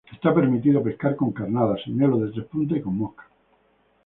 Está permitido pescar con carnada, señuelos de tres puntas y con mosca.